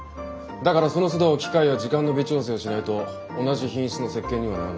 だからそのつど機械や時間の微調整をしないと同じ品質の石鹸にはならない。